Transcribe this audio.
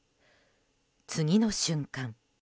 次の瞬間。